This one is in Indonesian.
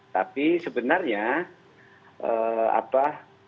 tapi sebenarnya apa